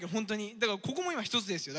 だからここも今一つですよ。